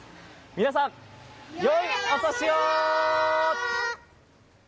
皆さん、よいお年を！